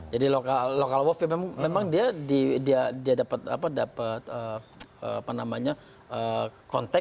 jadi lokal wof memang dia dapat